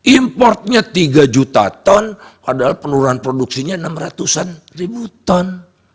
importnya tiga juta ton padahal penurunan produksinya enam ratus an ribu ton